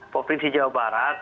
provinsi jawa barat